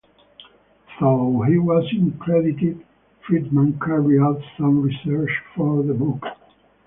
Though he was uncredited, Friedman carried out some research for the book.